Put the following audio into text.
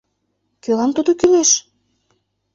Кӧлан тудо кӱлеш?